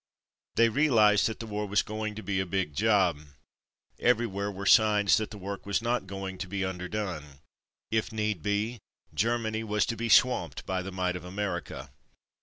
They realized that the war was going to be a big job. Everywhere were signs that the work was not going to be underdone. If need be, Germany was to be swamped by the might of America.